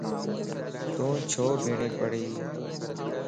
تون ڇو ٻيڻھي پڙھي